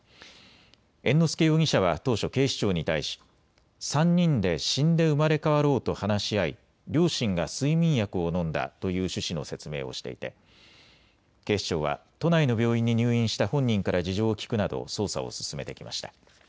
猿之助容疑者は当初警視庁に対し３人で死んで生まれ変わろうと話し合い、両親が睡眠薬を飲んだという趣旨の説明をしていて警視庁は都内の病院に入院した本人から事情を聴くなど捜査を進めてきました。